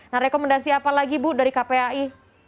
nah rekomendasi apa lagi bu dari kpai